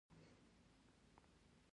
عدلیې وزارت د کومو قوانینو مسوول دی؟